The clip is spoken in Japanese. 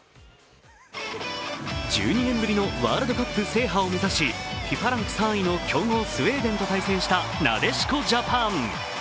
１２年ぶりのワールドカップ制覇を目指し、ＦＩＦＡランク３位の強豪スウェーデンと対戦したなでしこジャパン。